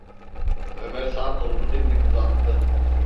Ömer sağ kolunu dimdik uzattı.